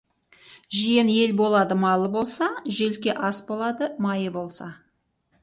Жиен ел болады, малы болса, желке ас болады, майы болса.